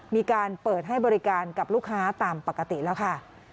มีการเปิดให้บริการกับลูกค้าตามปกติแล้วค่ะ